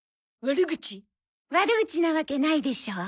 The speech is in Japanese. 悪口なわけないでしょう。